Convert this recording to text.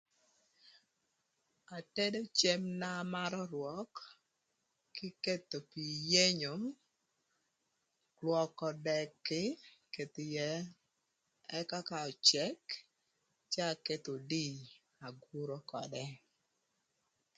Atedo cem na an amarö rwök kï ketho pii yenyo lwökö dëkï ketho ïë ëka ka öcëk cë aketho odii aguro ködë.